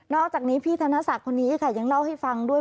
อกจากนี้พี่ธนศักดิ์คนนี้ค่ะยังเล่าให้ฟังด้วย